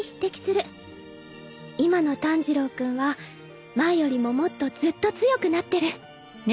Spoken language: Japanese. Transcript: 今の炭治郎君は前よりももっとずっと強くなってる。